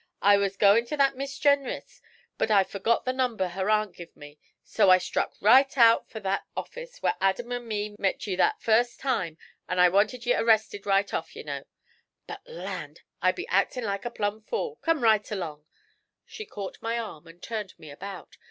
I was goin' to that Miss Jenrys, but I forgot the number her aunt give me, and so I struck right out for that office where Adam and me met ye that first time when I wanted ye arristed right off, ye know. But, land! I be actin' like a plum fool. Come right along!' She caught my arm and turned me about.